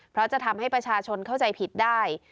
เพราะจะทำให้ประชาชนเข้าใจผิดได้